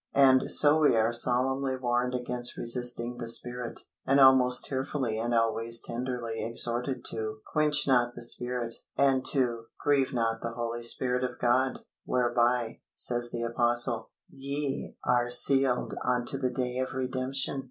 And so we are solemnly warned against resisting the Spirit, and almost tearfully and always tenderly exhorted to "quench not the Spirit," and to "grieve not the Holy Spirit of God, whereby," says the Apostle, "ye are sealed unto the day of redemption."